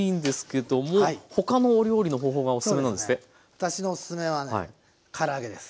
私のおすすめはねから揚げです。